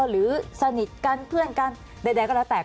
หรือสนิทกันเพื่อนกันใดก็แล้วแต่